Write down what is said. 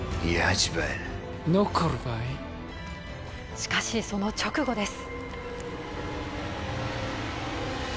しかし、その直後です。